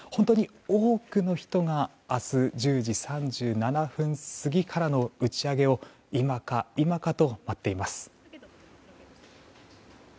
多くの人が明日、１０時３７分過ぎからの打ち上げを今か今かと待っています。